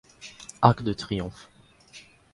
Arc de triomphe.